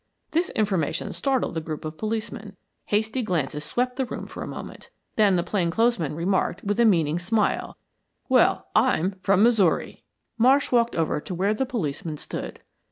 This information startled the group of policemen. Hasty glances swept the room for a moment. Then the plain clothes man remarked, with a meaning smile, "Well, I'M from Missouri." Marsh walked over to where the policemen stood.